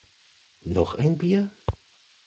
Noch ein Bier?